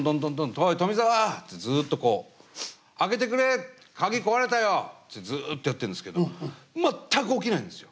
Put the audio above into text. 「おい富澤」ってずっとこう「開けてくれ鍵壊れたよ」ってずっとやってるんですけど全く起きないんですよ。